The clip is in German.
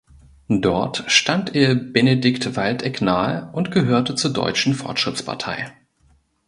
Dort stand er Benedikt Waldeck nahe und gehörte zur Deutschen Fortschrittspartei.